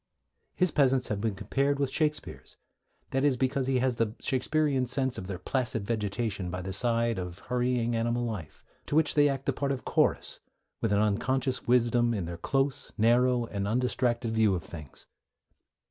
His peasants have been compared with Shakespeare's; that is, because he has the Shakespearean sense of their placid vegetation by the side of hurrying animal life, to which they act the part of chorus, with an unconscious wisdom in their close, narrow, and undistracted view of things.